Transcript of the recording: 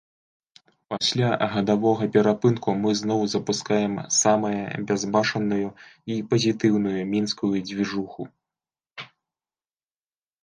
Пасля гадавога перапынку мы зноў запускаем самае бязбашанную і пазітыўную мінскую дзвіжуху!